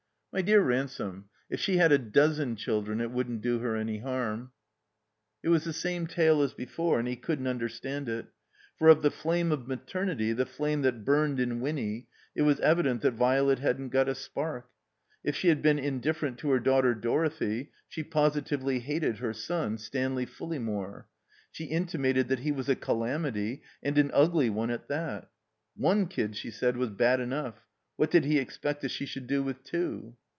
"My dear Ransome, if she had a dozen children it wotddn't do her any harm." It was the same tale as before, and he couldn't understand it. For of the flame of maternity, the flame that btimed in Winny, it was evident that Vio let hadn't got a spark. If she had been indifferent to her daughter Dorothy, she positively hated her son, Stanley Ftdlejmiore. She intimated that he was a calamity, and an ugly one at that. One kid, she said, was bad enough ; what did he expect that she shotild do with two?